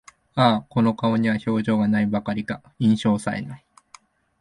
ああ、この顔には表情が無いばかりか、印象さえ無い